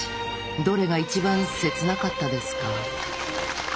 どれが一番切なかったですか？